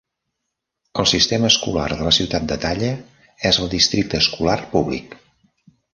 El sistema escolar de la ciutat d'Atalla és el districte escolar públic.